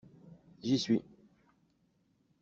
J'y suis